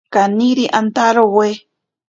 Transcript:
Kaniri antarowe.